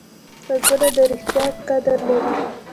غوږونه د ریښتیا قدر لري